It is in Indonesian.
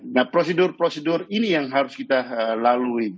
nah prosedur prosedur ini yang harus kita lalui